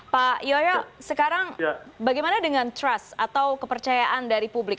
pak yoyo sekarang bagaimana dengan trust atau kepercayaan dari publik